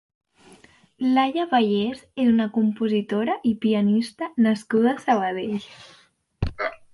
Laia Vallès és una compositora i pianista nascuda a Sabadell.